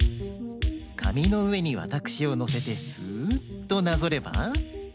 かみのうえにわたくしをのせてスッとなぞれば。